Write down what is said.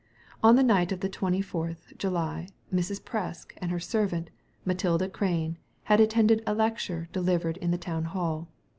On the night of the 24th July, Mrs. Presk and her servant, Matilda Crane, had attended a lecture delivered in the Town Hall.